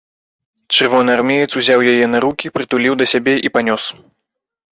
Чырвонаармеец узяў яе на рукі, прытуліў да сябе і панёс.